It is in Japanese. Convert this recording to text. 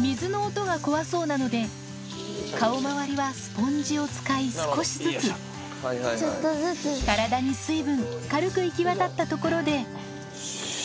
水の音が怖そうなので顔まわりはスポンジを使い少しずつ体に水分軽く行き渡ったところでよっしゃ。